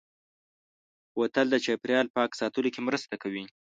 بوتل د چاپېریال پاک ساتلو کې مرسته کوي.